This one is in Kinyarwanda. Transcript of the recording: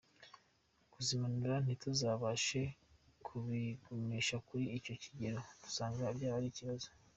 Kubizamura ntituzabashe kubigumisha kuri icyo kigero dusanga byaba ari ikibazo.